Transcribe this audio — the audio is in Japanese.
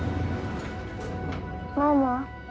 ママ。